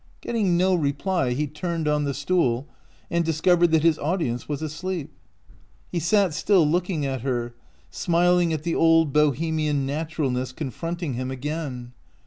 Get ting no reply, he turned on the stool, and discovered that his audience was asleep. He sat still, looking at her — smiling at the old Bohemian naturalness confronting him 231 OUT OF BOHEMIA again.